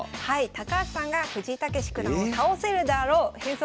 高橋さんが藤井猛九段を倒せるであろう変則